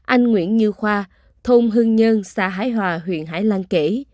anh nguyễn như khoa thôn hưng nhân xã hải hòa huyện hải lăng kể